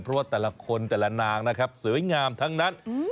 เพราะว่าแต่ละคนแต่ละนางนะครับสวยงามทั้งนั้น